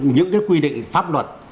những cái quy định pháp luật